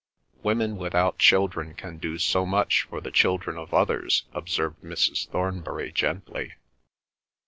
"Women without children can do so much for the children of others," observed Mrs. Thornbury gently.